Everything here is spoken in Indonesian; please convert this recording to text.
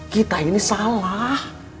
kita ini salah